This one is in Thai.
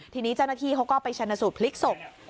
ทีนี้เจ้าหน้าที่เขาก็ไปชนะสูตรพลิกศพ